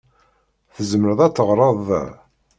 Tzemreḍ ad teɣṛeḍ da.